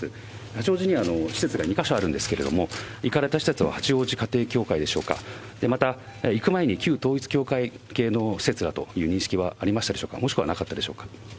八王子には施設が２か所あるんですけれども、行かれた施設は八王子家庭教会でしょうか、また行く前に旧統一教会系の施設だという認識はありましたでしょうか、もしくはなかったでしょうか。